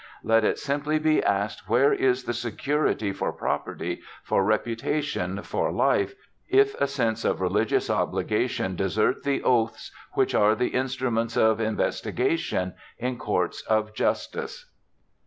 _ "'_Let it simply be asked where is the security for property, for reputation, for life, if a sense of religious obligation desert the oaths which are the instruments of investigation in courts of justice?